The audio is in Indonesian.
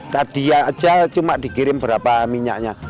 kadia aja cuma dikirim berapa minyaknya